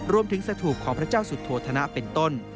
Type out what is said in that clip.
รวมถึงสถูกของพระเจ้าสุทธโทธนะเป็นต้น